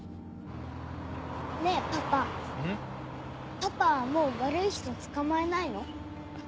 パパはもう悪い人捕まえないの？